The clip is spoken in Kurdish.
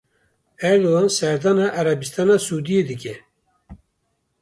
Erdogan serdana Erebistana Siûdiyê dike.